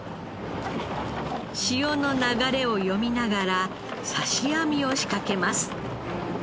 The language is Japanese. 潮の流れを読みながら刺網を仕掛けます。